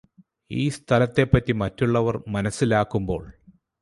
ഈ സ്ഥലത്തെപ്പറ്റി മറ്റുള്ളവര് മനസ്സിലാക്കുമ്പോള്